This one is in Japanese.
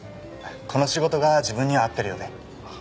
この仕事が自分には合ってるようで。